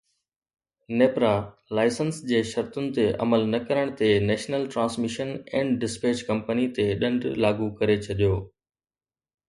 NEPRA licence جي شرطن تي عمل نه ڪرڻ تي National Transmission and Despatch Company تي ڏنڊ لاڳو ڪري ڇڏيو